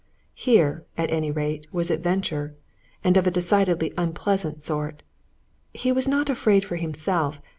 Here, at any rate, was adventure! and of a decidedly unpleasant sort. He was not afraid for himself.